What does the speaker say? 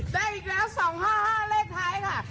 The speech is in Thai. ได้อีกแล้ว๒๕๕เลขท้ายค่ะ